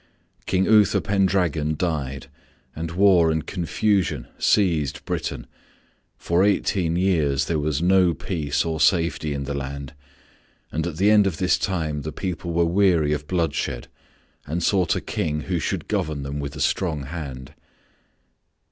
King Uther Pendragon died, and war and confusion seized Britain. For eighteen years there was no peace or safety in the land, and at the end of this time the people were weary of bloodshed and sought a King who should govern them with a strong hand.